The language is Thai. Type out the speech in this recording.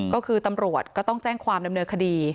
ก็คือตำรวจก็ต้องแจ้งความดำเนินคดี